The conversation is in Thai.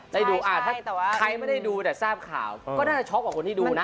ถ้าใครไม่ได้ดูแต่ทราบข่าวก็ด้านนะแกที่ช็อกกว่าคนที่ดูนะ